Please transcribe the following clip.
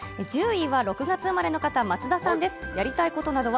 １０位は６月生まれの方、松田さん。